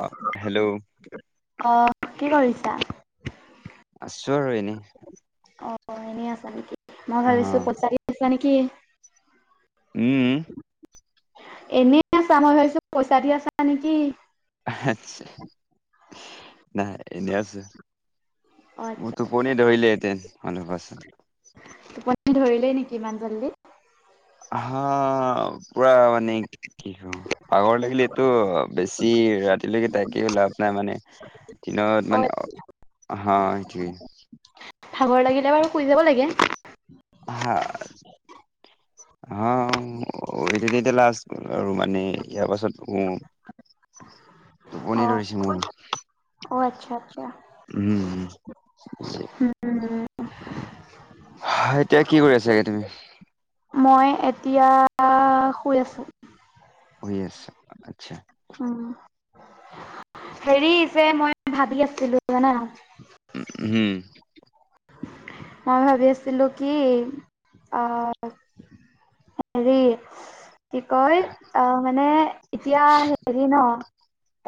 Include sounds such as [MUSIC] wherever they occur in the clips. অক, hello? অ', কি কৰিছা? আছো আৰু এনেই। অ', অ', এনে আছা নেকি মই অ ভাবিছো পইচা দি আছিলা নেকি? উম। এনেই আছা মই ভাবিছো পইচা দি আছা নেকি? নাই এনে আছোঁ, অ', আচ্ছা মোৰতো আচ্ছা। টোপনি ধৰিলেহেঁতেন অলপ পাছত। টোপনি ধৰিলেই নেকি ইমান জল্দী? হ, পুৰা মানে কি ভাগৰ লাগিলেটো বেছি ৰাতিলৈকে থাকিও লাভ নাই মানে দিনত মানে অ', সেইটোৱে। ভাগৰ লাগিলে বাৰু শুই যাব লাগে। হা। অ', এটো এতিয়া লাষ্ট আৰু মানে ইয়াৰ পাছত শু। [INAUDIBLE] টোপনি অ', ধৰিছে মোৰ। অ', আচ্ছা আচ্ছা। উম। উম, হয়, এতিয়া কি কৰি আছা চাগে তুমি? মই এতিয়া শুই আছোঁ। শুই আছা, আচ্ছা। উম, হেৰি যে মই ভাবি আছিলো জানা। উম, হম্। মই ভাবি আছিলোঁ কি, আ হেৰি কি কয় আ, মানে এতিয়া হেৰি ন?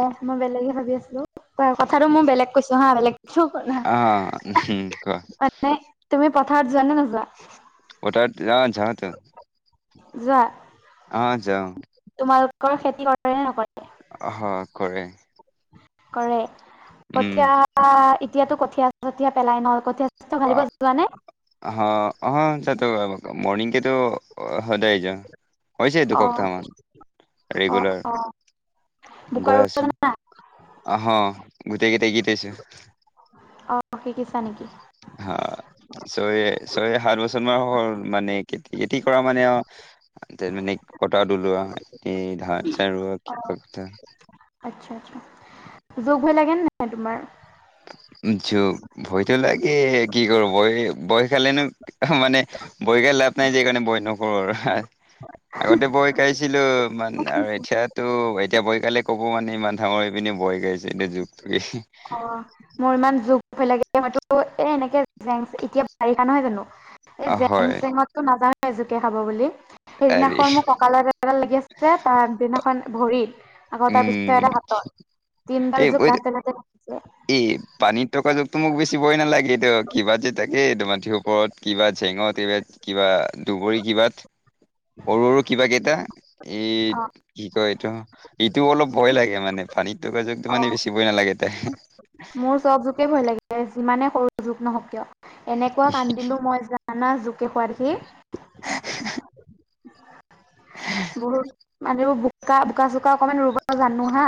অ', মই বেলেগহে ভাবি আছিলোঁ। ক-কথাটো মোৰ বেলেগ কৈছো হা বেলেগ আহ উম কোৱা [UNINTELLIGIBLE] নে, তুমি পথাৰত যোৱা নে নোযোৱা? পথাৰত অ', যাওঁ তো। যোৱা? অ', যাওঁ। তোমালোকৰ খেতি কৰে? নে নকৰে অহ, কৰে। কৰে, কঠীয়া এতিয়াতো কঠীয়া চঠীয়া পেলাই ন? কঠীয়া চঠীয়া ফালিব অ', যোৱা নে হ', অ [UNINTELLIGIBLE] অ', সদায় যাওঁ। হৈছে অ দুসপ্তাহমান, অ ৰেগুলাৰ। অ বোকা গৈ ৰুব আছোঁ। জানা হ', গোটেই কেইটা গীতাইছো। অ', শিকিছা নেকি? হ, ছয়-ছয় সাত বছৰমানান হ'ল, মানে খেতি খেতি কৰা মানে আৰু [UNINTELLIGIBLE] মানে কটা দোলোৱা, এই ধান চান ৰোৱা [UNINTELLIGIBLE] আচ্ছা, আচ্ছা। জোক ভয় লাগে নাই তোমাৰ? জোক? ভয়টো লাগে কি কৰিবা ভয়, ভয় খালেনো মানে ভয় খাই লাভ নাই যে সেইকাৰণে বয় নকৰোঁ আৰু [UNINTELLIGIBLE] আগতে বয় খাইছিলোঁ মান আৰু এতিয়াতো এতিয়া বয়কালে কব মানে ইমান ডাঙৰ হৈ পিনে বয় খাইছে এই জোক অ মোৰ ইমান জোক ভয় লাগে মইতো এ, এনেকে জেং এতিয়া বাৰিষা নহয় জানোঁ? এই জেং হয় চেঙতো নাযাৱে জোকে খাব বুলি। আৰে সেইদিনাখন মোৰ কঁকালত এডাল লাগি আছিলে, তাৰ আগদিনাখন ভৰিত। আকৌ তাৰ পিছদিনা উম এডাল হাতত। তিনডাল জোক লাটে, লাটে লাগিছে। এ, পানীত থকা জোকটো মোক বেছি ভয় নালাগে, এইটো কিবা যে তাকে এইটো এইটো মাটিৰ ওপৰত কিবা জেঙত এইবা কিবা দুবৰী কিবাত, সৰু, সৰু কিবা কেইটা এই অ কি কয় এইটো, এইটো অলপ ভয় লাগে মানে পানীত থকা জোকটো অ মানে বেছি শিকিবই নালাগে এটা মোৰ চব জোকে ভয় লাগে, যিমানে সৰু জোক নহক কিয়। এনেকুৱা কান্দিলো মই জা আনা জোকে খোৱা দেখি। বহুত মানে এইবোৰ বোকা, বোকা চোকা অকণমান ৰুব জানোঁ হা,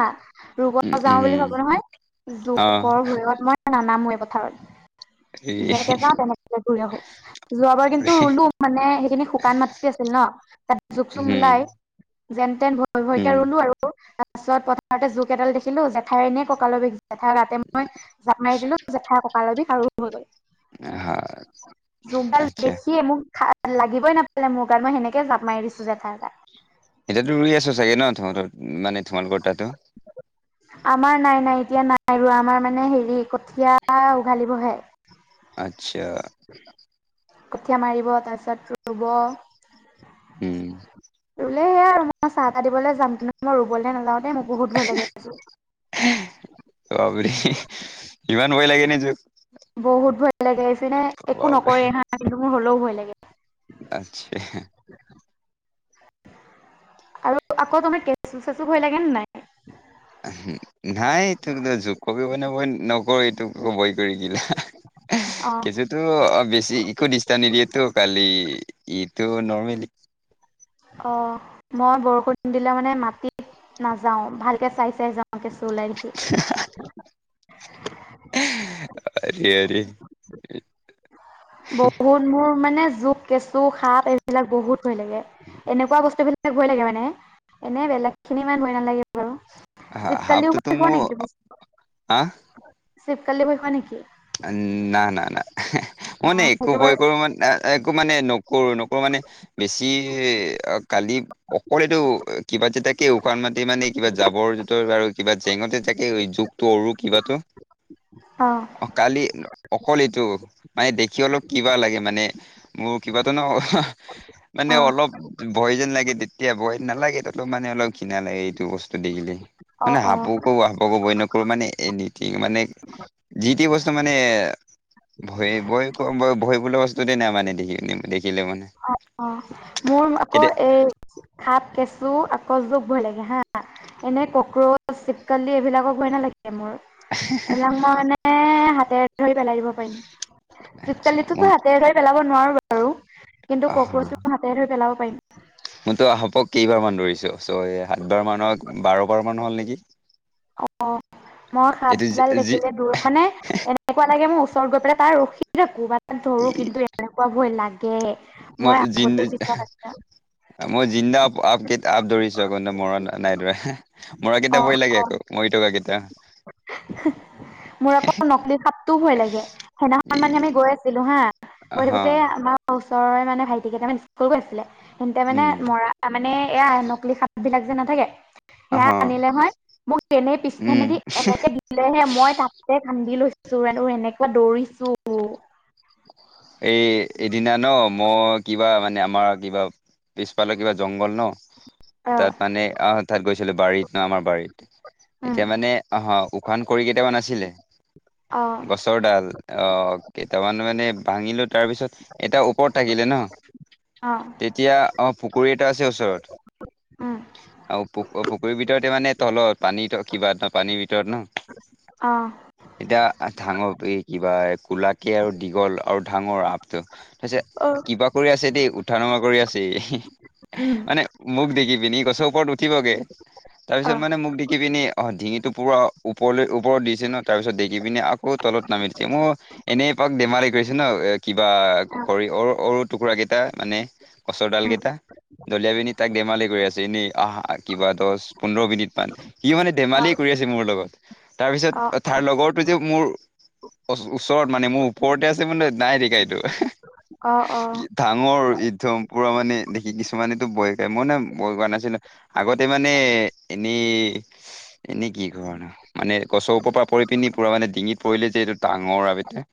ৰুব উম যাওঁ বুলি উম ভাবোঁ নহয়, অ জোকৰ ভয়ত মই নানামোৱে পথাৰত। এই যেনেকে যাওঁ তেনেকে ঘূৰি আহোঁ। যোৱাবাৰ কিন্তু ৰুলো মানে সেইখিনি শুকান মাতি আছিল ন, তাত জোক চোক উম নোলাই যেন তেন ভয়, ভয়কে উম ৰুলো আৰু। তাৰ পাছত পথাৰতে জোক এডাল দেখিলোঁ, জেঠাইৰ এনে কঁকালৰ বিষ জেঠাইৰ গাতে মই জাপ মাৰি দিলোঁ, জেঠাইৰ ককালৰ বিষ আৰু হৈ গ'ল। হা জোক ডাল আচ্ছা দেখিয়ে মোক খা লাগিবই নাপালে মোৰ গাত, মই সেনেকেই জাঁপ মাৰি দিছোঁ জেঠাইৰ গাত। এতিয়াতো ৰুই আছ চাগে ন তহঁতৰ, মানে তোমালোকৰ তাতো? আমাৰ নাই, নাই এতিয়া নাই ৰুৱা, আমাৰ মানে হেৰি কঠিয়া উঘালিবহে। আচ্ছা। কঠিয়া মাৰিব, তাৰপিছত ৰুব। উম। ৰুলে সেয়া [UNINTELLIGIBLE] মই চাহা কৰিবলে যাম কিন্তু মই ৰুবলৈ নাযাওঁদে মোৰ বহুত ভয় লাগে। [UNINTELLIGIBLE] ইমান ভয় লাগে নে জোক বহুত ভয় লাগে [UNINTELLIGIBLE] একো বাপৰে নকৰে হা। [UNINTELLIGIBLE] মোৰ হ'লেও ভয় লাগে। আতছা। আৰু আকৌ তুমি কেঁচু চেচু ভয় লাগে নে নাই? নাই এই তোক জোক কবি মানে বই নকৰো এইটো ভয় কৰি কিলে। অ কেঁচুটো বেছি একো দিষ্টাপ নিদিয়েতো কালি ইটো নৰ্মেলি অ মই বৰষুণ দিলে মানে মাটি নাযাও ভালকে চাই চাই যাওঁ। কেঁচু ওলাই দেখি। [UNINTELLIGIBLE] বহুত মোৰ মানে জুক কেঁচু সাপ এইবিলাক বহুত ভয় লাগে। এনেকুৱা বস্তুবিলাক ভয় লাগে মানে, এনেই বেলেগখিনি ইমান ভয় নালাগে বাৰু। হা চিৱকলিও হাফটোতো ভয় খোৱা মোৰ নেকি তুমি, আহ চিপকলি ভয় খোৱা নেকি? উম না না না। মই অ মানে একো সেইটো ভয় বাৰু কৰোঁ মানে একো মানে নকৰো নকৰো মানে বেছি কালি অকলেতো কিবা যে তাকে উশান মাটি মানে কিবা জাবৰ জোতৰ আৰু কিবা জেঙতে তাকে জোক তৰু কিবাটো অ। অ কালি অকল এইটো, মানে দেখি অলপ কিবা লাগে মানে মোৰ কিবাতো ন মানে অ অলপ ভয় যেন লাগে তেতিয়া ভয় নালাগে তলপ মানে অলপ কিণা লাগে এইটো বস্তু দেখিলে। অ মানে অ হাপো কো হাপকো বই নকৰো মানে এনিথিং মানে যিটি বস্তু মানে ভয় ভয় খোৱা ভয় বোলা বস্তু নাই মানে, দেখি দেখিলে মানে। অ' অ', মোৰ আকৌ কেতিয়া এই খাপ, কেঁচু আকৌ যুক ভয় লাগে হা। এনে কক্ৰচ, চিপকালি এইবিলাকক ভয় নালাগে মোৰ। [UNINTELLIGIBLE] এইবিলাক মই মানে হাতেৰে ধৰি পেলাই দিব পাৰিম। আচ্ছা মই চীপকলিতোটো হাতেৰে ধৰি পেলাব নোৱাৰো বা কিন্তু আহা কক্ৰচটো হাতেৰে ধৰি পেলাব পাৰিম। মইতো সাপক কেইবাৰমান ধৰিছোঁ, ছ' এই সাতবাৰ মানা বাৰ বাৰমান হ'ল নেকি? অ', মই সাপ এইটো যি দাল যি দেখিলে দূৰ, মানে এনেকুৱা লাগে মোৰ ওচৰত গৈ পেলাই তাৰ ৰখি কবাত এটা ধৰো কিন্তু এনেকুৱা ভয় লাগে। মই জিন্দ আগতে পিছত মই জিন্দা আপ আপ কে আপ ধৰিছো আকৌ, মৰা নাইদৰা [UNINTELLIGIBLE] মৰা কেইটা অ', ভয় লাগে অ'। আকৌ, মৰি থকা কেইটা। মোৰ আকৌ নকলি সাপটোও ভয় লাগে, সেইদিনাখন ই মানে আমি গৈ আছিলো হা গৈ হা থাকোতে আমাৰ ওচৰৰে মানে ভাইটি কেইটামানে স্কুল গৈছিলে, সিহঁতে মানে উম মৰা তাৰমানে এয়া নকলি সাপবিলাক যে নাথাকে, সেয়া হ আনিলে হয় মোক এনেই পি উম সেনেদি এনেকে দিলেহে মই তাতে কান্দি লৈছো, আৰু এনেকুৱা দৌৰিছো। এই এদিনা ন' মই কিবা মানে আমাৰ কিবা পিছ ফালে কিবা জংঘল ন'। অ তাত মানে আহ তাত গৈছিলো বাৰীত ন' আমাৰ বাৰীত, উম এতিয়া মানে আহ শুকান খৰি কেইটামান আছিলে। অ', অতৰ দাল অ' কেইটামান মানে ভাঙিলোঁ তাৰপিছত এটা ওপৰত থাকিলে ন' অ', এতিয়া অ' পুখুৰী এটা আছে ওচৰত উম',। আৰু প' পুখুৰীৰ ভিতৰতে মানে তলত, পানী কিবা ন' পানীৰ ভিতৰত ন' অ', এতিয়া ডাঙৰ কি কিবা কোলাকে আৰু দীঘল আৰু ডাঙৰ সাপটো তি অ কিবা কৰি আছে দেই, উঠা নমা কৰি আছে উম মানে মোক দেখি পিনে গছৰ ওপৰত উঠিবগে, তাৰ অ অ পিছত মানে মোক দেখি পিনে অ', ডিঙিটো পূৰা ওপৰলৈ ওপৰত দিছে ন', তাৰপিছত দেখি পিনে আকৌ তলত নামি দিছে মোৰ এনেই পাক বেমাৰ হৈ কৰিছে ন' এ' কিবা, খৰি অ' সৰু টুকুৰাকেইটা মানে কছৰ ডাল উম কেইটা, দলিয়া পিনে তাক ধেমালি কৰি আছোঁ এনেই। আহা কিবা দহ পোন্ধৰ মিনিটমান, সি মানে ধেমালিয় অ কৰি আছে মোৰ লগত। অ তাৰপিছত তাৰ লগৰটো যে মোৰ ওচৰত মানে মোৰ ওপৰতে আছে, মই মানে নাই দেখা এইটো। অ', অ',। ই- ডাঙৰ একদম পুৰা মানে, দেখি কিছুমানেতো ভয় খাই মই না ভয় খোৱা নাছিলো। আগতে মানে এনে এনে কি ঘণ মানে গছৰ ওপৰ পৰা পৰি পিনে, পুৰা মানে ডিঙিত পৰিলে যে এইটো ডাঙৰ সাপ এটা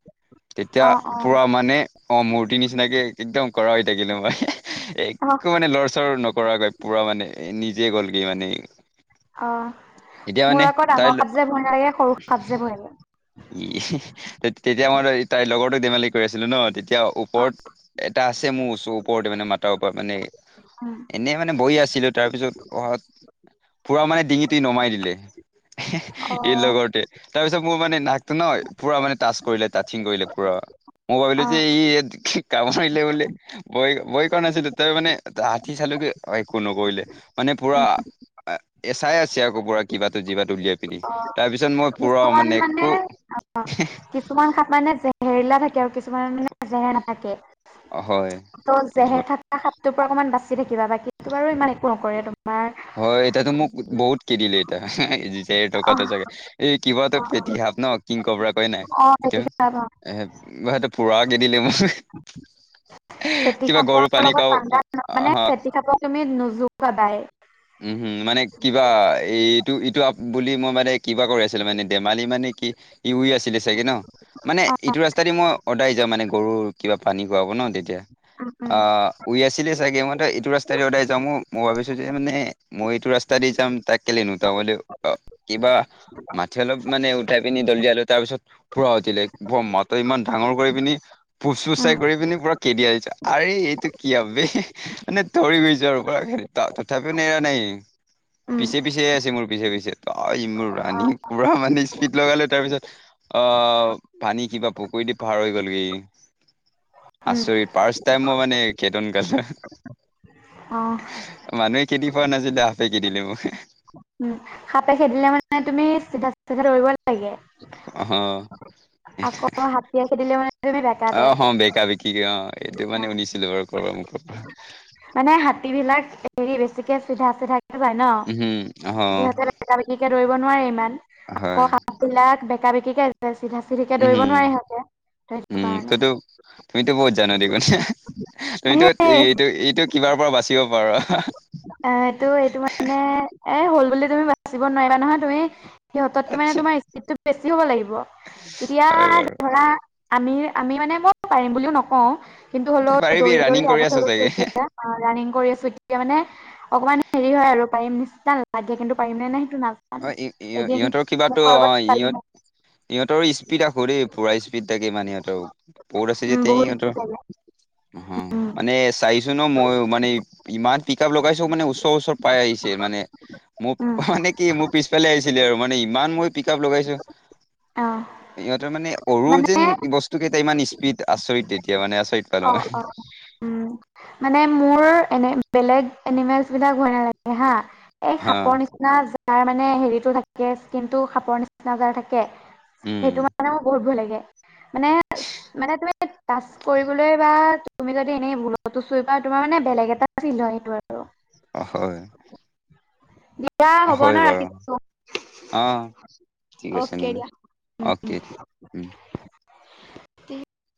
তেতিয়া অ পুৰা মানে, অ' মূৰ্তি নিচিনাকে একদম খাৰা হৈ থাকিলো মই অ অ একো মানে লৰাচৰ নকৰাকৈ, পুৰা মানে নিজে গ'লগৈ মানে। অ', এতিয়া মানে মোৰ আকৌ তাই ডাঙৰ ল- সাপ যে ভয় নালাগে, সৰু কাপ যে ভয় লাগে। ই' তেতিয়া মানে তাইৰ লগৰতো ধমালি কৰি আছিলে ন', তেতিয়া ওপৰত এটা আছে মোৰ ওচৰ ওপৰতে, মানে মথাৰ ওপৰত মানে উম, এনেই মানে বহি আছিলো তাৰ পিছত অহাত পুৰা মানে ডিঙিটো নমাই দিলে। এই অ', লগৰতোৱে তাৰ পিছত মোৰ মানে নাটকো নহ পুৰা মানে টাচ কৰিলে কি কৰিলে পুৰা মই ভাবিলো অ', যে ই কাম কৰিলে বোলে ভয়-ভয় কৰা নাছিলো তই মানে হাতী চালো কি একো নকৰিলে মানে পুৰা উম, এ চাই আছে আকৌ পুৰা কিবা যিভাটো উলিয়াই পিনি তাৰপিছত মই পুৰা মানে একো কিছুমান সাপ মানে জেহেৰিলা থাকে আৰু কিছুমান মানে জেহেৰ নাথাকে হয় ত জেহেৰ ধৰ থকা সাপটোৰ পৰা অকনমান বাচি থাকিবা বাকী বাৰু ইমান একো নকৰে তোমাৰ হয় এতিয়াতো মোক বহুত কে দিলে এতিয়া দেৰ টকাাতটো অ', চাগে এই কিবা অ', ফেটিসাপ ন কিং কবৰা কৈ নাই অ', ফেটি সেইটো সাপ অ', এ সেটো পুৰা খেদিলে মোক ফেটী কিবা সাপৰ গৰু পানী লগত খোৱা পাঙ্গা মানে আহ ফেটী সাপক তুমি নোযোকাবা উম, হম মানে কিবা এই ইটো ইটো আপ বুলি মই মানে কিবা কৰি আছিলো মানে ধেমালি মানে কি ই উই আছিল চাগে ন মানে অ', এইটো ৰাস্তা দি মই সদায় যাওঁ মানে গৰুৰ কিবা পানী খোৱাব ন তেতিয়া। উম, উম, অ শুই আছিলে চাগে মই এইটো ৰাস্তাৰে সদাই যাও মই ভাবিছো যে মানে মই এইটো ৰাস্তাই দি যাম তাক কেলে নোঠাম বুলি কিবা মাটি অলপ মান উথাই পিনি দলিয়ালো তাৰপিছত পুৰা উঠিলে ব মা তই ইমান ডাঙৰ কৰি পিনি ফুচ ফুচাই উম, কৰি পিনি পুৰা কেতিয়া আইছা আৰে এইটো কি আবে মানে তৰি গৈছে আৰু পা তথাপ টো এৰা নাই উম, পিছে পিছে আছে মোৰ পিছে পিছে ত ই মোৰ ৰানি পুৰা মানে স্পিদ লগালো তাৰ পিছত অ পানী কিবা পুখুৰী দি পাৰ হৈ গ'লগে ই উম, আচৰিত ফাৰ্চ টাইম মই মানে খেদন‌ খালা অ', মানুহে খেদি পোৱা নাছিলে সাপে খেদিলে মোক উম সাপে খেদিলে মানে তুমি চিধা চিধা দৌৰিব লাগে অ হ আৰু হাতীয়ে খেদিলে মানে তুমি বেকা অ হ তেৰকে বেকা বেকি অ এইটো মানে শুনিছিলো বাৰু কৰবাৰ মুখৰ পৰা মানে হাতী বিলাক হেৰি বেছিকে চিধা চিধাকে যায় উম ন অহ সিহঁতে বেকা বেকিকে দৌৰিব নোৱাৰে ইমান হয় সাপবিলাক বেকা বেকীকে আছে চিধা চিধিকে উম দৌৰিব নোৱাৰে সিঁহতে সেইটো উম কাৰণে ততো তুমিতো বহুত জান দেখোন তুমিতো সেই এইটো এইটো কিবাৰ পৰা বাচ চিব পাৰা অ এইটো এইটো মানে এ হ'ল বুলি তুমি বাচিব নোৱাৰিবা নহয় তুমি সিহঁতকে মানে আচ্ছা তোমাৰ স্পীডটো বেছি হ'ব লাগিব এতিয়া হয় বাৰু ধৰা আমি আমি মানে মই পাৰিম বুলিও নকওঁ কিন্তু তই হলেও পাৰিবি দৌৰি দৌৰি ৰানিং কৰি আদত আছ হৈ গৈছে চাগে এতিয়া অ ৰানিং কৰি আছো এতিয়া মানে অকণমান হেৰি হয় আৰু পাৰিম নিচিনা লাগে কিন্তু পাৰিম নে নোৱাযৰিম সেইটো নাজা অ ই ই ইহঁতৰ কিবাটো অ ইঅত ইহঁতৰ স্পীডা ভৰি পুৰা স্পীড থাকে মানে ইহঁতৰ বহুত আছে উম যে বহুত ইহতৰ ইচ্ছা লাগে। অ উম মানে চাইছো ন মইও মানে ইমান পিক আপ লগাইছো মানে ওচৰ ওচৰ পাই আহিছে মানে মোক উম মানে কি মোৰ পিছফালে আহিছিলে আৰু মানে ইমান মই পিক আপ লগাইছো অ ইহঁতৰ মানে অৰু যেন মানে বস্তু কেইটা ইমান স্পীড আচৰিত তেতিয়া মানে আচৰিত পালো অ মই অ উম মানে মোৰ এনে বেলেগ এনিমেলচ বিলাক ভয় নালাগে হা এই হা সাপৰ নিচিনা য তাৰ মানে হেৰিটো থাকে স্কিনটো সাপৰ নিচিনা যাৰ থাকে উম সেইটো মান মানে মোৰ বহুত ভয় লাগে মানে মানে তুমি- তাচ কৰিবলৈ বা তুমি যদি এনেই ভুলটো চুই পায় তোমাৰ মানে বেলেগ এটা আছিল হয় সেইটো আৰু হয়। [UNINTELLIGIBLE] দিয়া হ'ব ন হয় বাৰু ৰাখিছো অ ঠিক আছে অকে নহ'লে দিয়া। অকে উম।